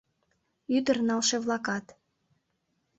Ӱдыр-налше-влакат.